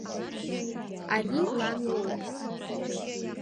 Ари лан лоуп.